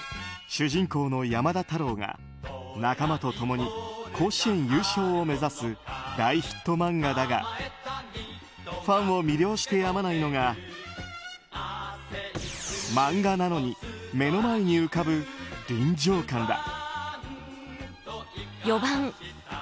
主人公の山田太郎が仲間と共に甲子園優勝を目指す大ヒット漫画だがファンを魅了してやまないのが漫画なのに目の前に浮かぶ臨場感だ。